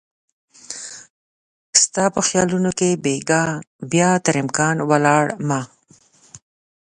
ستا په خیالونو کې بیګا بیا تر امکان ولاړ مه